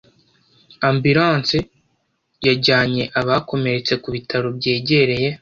ambulanse yajyanye abakomeretse ku bitaro byegereye